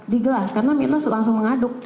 di gelas karena mirna langsung mengaduk